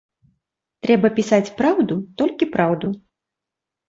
Трэба пісаць праўду, толькі праўду.